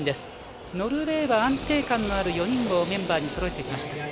ノルウェーは安定感のある４人をメンバーにそろえてきました。